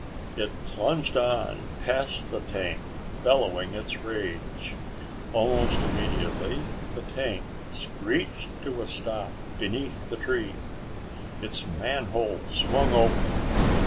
It plunged on past the tank, bellowing its rage. Almost immediately the tank screeched to a stop beneath the tree. Its manhole swung open.